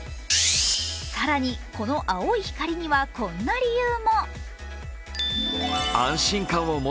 更に、この青い光には、こんな理由も。